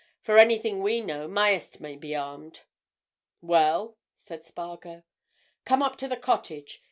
For anything we know Myerst may be armed." "Well?" said Spargo. "Come up to the cottage.